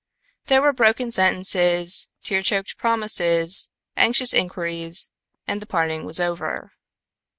There were broken sentences, tear choked promises, anxious inquiries, and the parting was over.